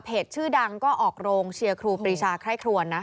ชื่อดังก็ออกโรงเชียร์ครูปรีชาไคร่ครวนนะ